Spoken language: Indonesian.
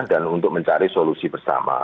dan untuk mencari solusi bersama